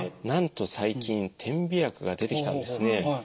なんと最近点鼻薬が出てきたんですね。